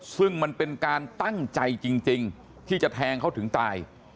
ซึ่งมันเป็นการตั้งใจจริงที่จะแทงเขาถึงตาย